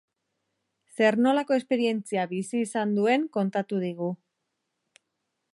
Zer-nolako esperientzia bizi izan duen kontatu digu.